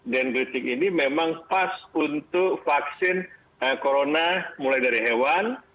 dendritik ini memang pas untuk vaksin corona mulai dari hewan